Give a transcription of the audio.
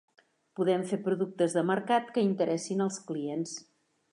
Podem fer productes de mercat que interessin als clients.